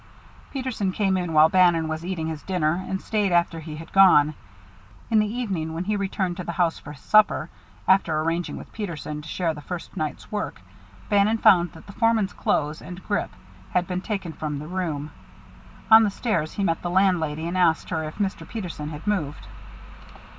Peterson came in while Bannon was eating his dinner and stayed after he had gone. In the evening, when he returned to the house for his supper, after arranging with Peterson to share the first night's work, Bannon found that the foreman's clothes and grip had been taken from the room. On the stairs he met the landlady, and asked her if Mr. Peterson had moved.